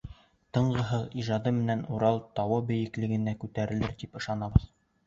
Тынғыһыҙ ижады менән Урал тауы бейеклегенә күтәрелер тип ышанам.